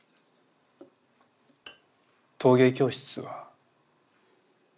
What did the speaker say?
陶芸教室は？